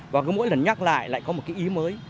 và cứ mỗi lần nhắc lại lại có một cái ý mới